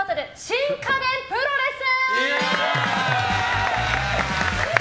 新家電プロレス。